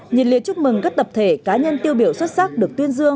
nhìn lễ chúc mừng các tập thể cá nhân tiêu biểu xuất sắc được tuyên dương